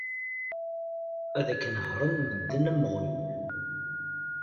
Ad k-nehren medden am uɣyul